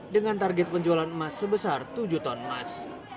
dengan target penjualan emas sebesar tujuh ton emas